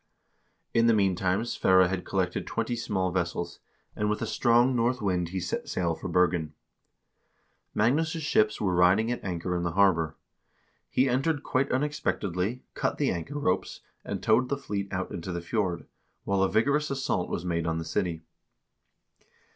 1 In the meantime Sverre had collected twenty small vessels, and with a strong north wind he set sail for Bergen. Magnus' ships were riding at anchor in the harbor. He entered quite unexpectedly, cut the anchor ropes, and towed the fleet out into the fjord, while a vigorous assault was made on the city.